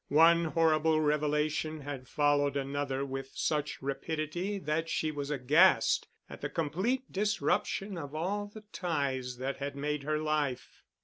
One horrible revelation had followed another with such rapidity that she was aghast at the complete disruption of all the ties that had made her life.